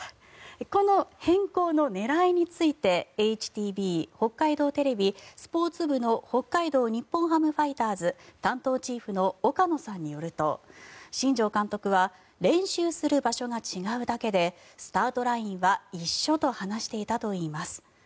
この変更の狙いについてＨＴＢ・北海道テレビスポーツ部の北海道日本ハムファイターズの担当チーフ岡野さんによりますと新庄監督は練習する場所が違うだけでスタートラインは一緒と話していたといいます。